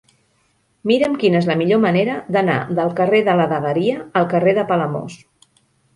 Mira'm quina és la millor manera d'anar del carrer de la Dagueria al carrer de Palamós.